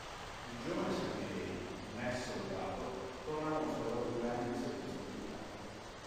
Il giovane Sergej, un ex-soldato, torna a Mosca dopo due anni di servizio militare.